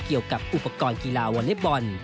เกี่ยวกับอุปกรณ์กีฬาวอเล็กบอล